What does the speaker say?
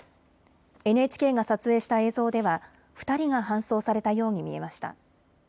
ＮＨＫが撮影した映像では２人が搬送されたように見えました。